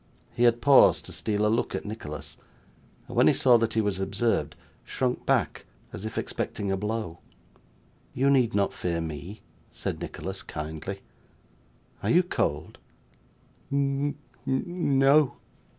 He had paused to steal a look at Nicholas, and when he saw that he was observed, shrunk back, as if expecting a blow. 'You need not fear me,' said Nicholas kindly. 'Are you cold?' 'N n o.